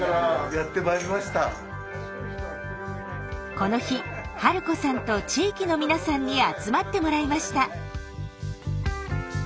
この日治子さんと地域の皆さんに集まってもらいました。